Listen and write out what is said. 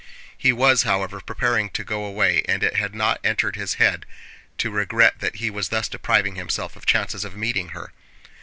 He was, however, preparing to go away and it had not entered his head to regret that he was thus depriving himself of chances of meeting her.